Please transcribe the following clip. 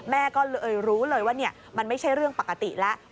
แม่ก็เลยรู้เลยว่ามันไม่ใช่เรื่องปกติแล้ว